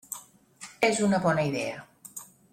És una bona idea!